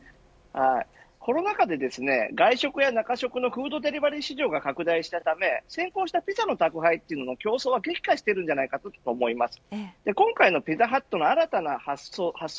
コロナ禍で、外食や中食のフードデリバリー市場が拡大したため先行したピザの宅配を取り巻く競争が激化すると思います。